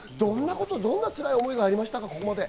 どんなつらい思いがありましたか？